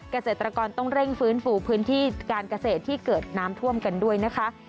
เกษตรกรต้องเร่งฟื้นฟูพื้นที่การเกษตรที่เกิดน้ำท่วมกันด้วยนะคะ